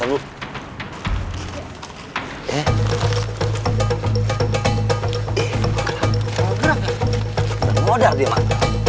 nggak mau gerak dia mah